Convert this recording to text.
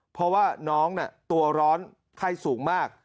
เพราะว่าน้องตัวร้อนไข้สูงมาก